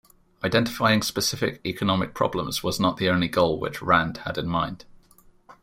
Identifying specific economic problems was not the only goal which Rand had in mind.